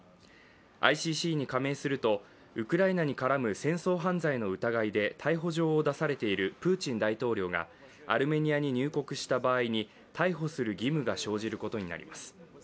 ＩＣＣに加盟すると、ウクライナに絡む戦争犯罪の疑いで逮捕状を出されているプーチン大統領がアルメニアに入国した場合に逮捕する義務が生じることになります。